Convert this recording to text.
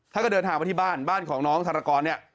ท่านก็เดินทางไปที่บ้านบ้านของน้องธรกรเนี่ย